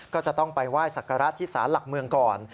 ก็จะต้องไปไหว้ศักระที่สารหลักเมืองก่อน